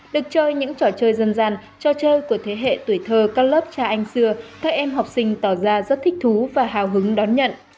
được chơi những trò chơi dân gian trò chơi của thế hệ tuổi thơ các lớp cha anh xưa các em học sinh tỏ ra rất thích thú và hào hứng đón nhận